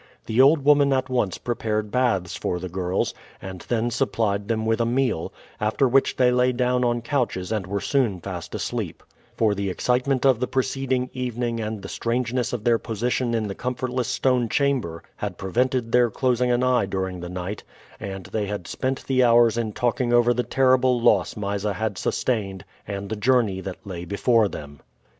The old woman at once prepared baths for the girls and then supplied them with a meal, after which they lay down on couches and were soon fast asleep; for the excitement of the preceding evening and the strangeness of their position in the comfortless stone chamber had prevented their closing an eye during the night, and they had spent the hours in talking over the terrible loss Mysa had sustained, and the journey that lay before them.